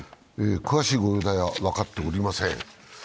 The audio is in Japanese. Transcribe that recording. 詳しいご容体は分かっておりません。